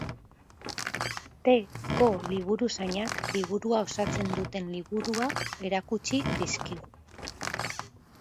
T-ko liburuzainak liburua osatzen duten liburuak erakutsi dizkigu.